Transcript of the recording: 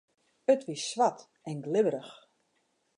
It wie swart en glibberich.